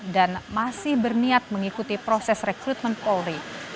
dan masih berniat mengikuti proses rekrutmen polri